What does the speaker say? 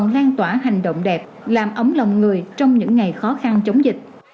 làm ấm lòng người trong những ngày khó khăn chống dịch